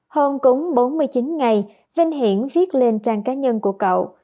hơn cúng bốn mươi chín ngày vinh hiển viết lên trang cá nhân của cậu